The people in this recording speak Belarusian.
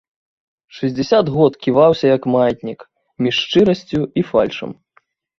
Шэсцьдзесят год ківаўся, як маятнік, між шчырасцю і фальшам.